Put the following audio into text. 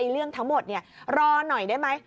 เรื่องทั้งหมดรอหน่อยได้ไหม